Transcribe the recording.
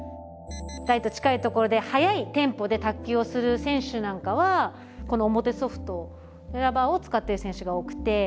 台と近い所で速いテンポで卓球をする選手なんかはこの表ソフトラバーを使っている選手が多くて。